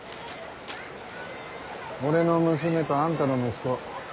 俺の娘とあんたの息子